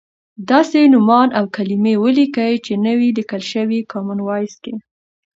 داسې نومان او کلیمې ولیکئ چې نه وې لیکل شوی کامن وایس کې.